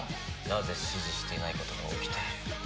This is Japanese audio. なぜ指示していないことが起きている？